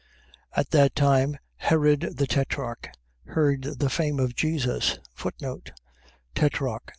14:1. At that time Herod the Tetrarch heard the fame of Jesus. Tetrarch.